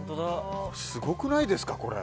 すごくないですか、これ。